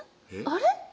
あれ？